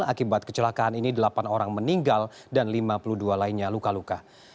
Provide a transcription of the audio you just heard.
akibat kecelakaan ini delapan orang meninggal dan lima puluh dua lainnya luka luka